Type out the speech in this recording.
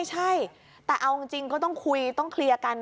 ใช่แต่เอาจริงก็ต้องคุยต้องเคลียร์กัน